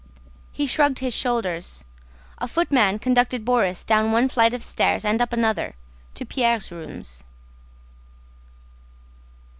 He shrugged his shoulders. A footman conducted Borís down one flight of stairs and up another, to Pierre's rooms.